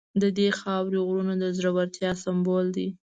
د دې خاورې غرونه د زړورتیا سمبول دي.